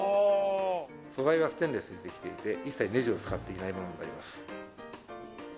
素材はステンレスでできていて一切ネジを使っていないものになります。